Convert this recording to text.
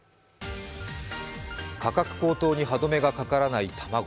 価格高騰に歯止めがかからない卵。